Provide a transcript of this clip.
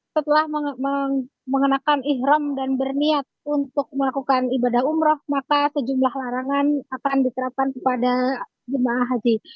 setelah mengenakan ikhram dan berniat untuk melakukan ibadah umroh maka sejumlah larangan akan diterapkan kepada jemaah haji